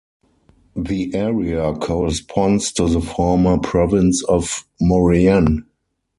The area corresponds to the former province of Maurienne.